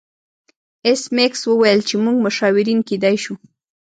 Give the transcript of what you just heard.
ایس میکس وویل چې موږ مشاورین کیدای شو